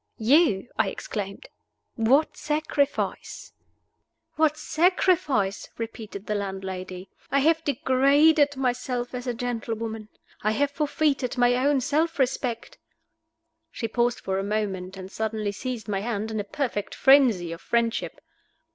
"You?" I exclaimed. "What sacrifice?" "What sacrifice?" repeated the landlady. "I have degraded myself as a gentlewoman. I have forfeited my own self respect." She paused for a moment, and suddenly seized my hand in a perfect frenzy of friendship.